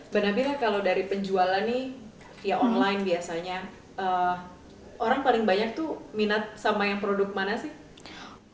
benar benar kalau dari penjualan nih ya online biasanya orang paling banyak tuh minat sama yang produk mana sih